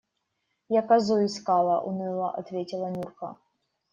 Я козу искала, – уныло ответила Нюрка.